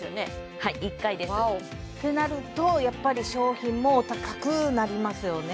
わおはい１回ですってなるとやっぱり商品もお高くなりますよね？